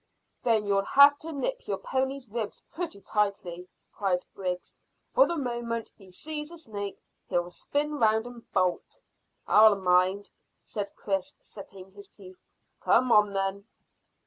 "Then you'll have to nip your pony's ribs pretty tightly," cried Griggs, "for the moment he sees a snake he'll spin round and bolt." "I'll mind," said Chris, setting his teeth. "Come on, then."